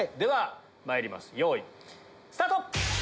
まいりますよいスタート！